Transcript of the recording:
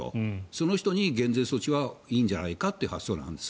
その人に減税措置はいいんじゃないかという発想なんです。